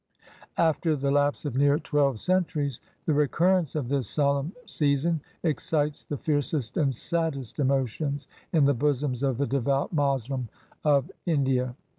After the lapse of near twelve centuries, the recurrence of this solemn season excites the fiercest and saddest emotions in the bosoms of the devout Moslem of India.